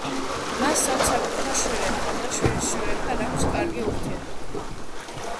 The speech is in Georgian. მას არც საკუთარ შვილებთან და შვილიშვილებთან აქვს კარგი ურთიერთობა.